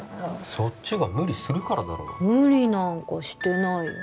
そっちが無理するからだろ無理なんかしてないよ